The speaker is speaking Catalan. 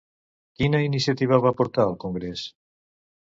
Quina iniciativa va portar al congrés?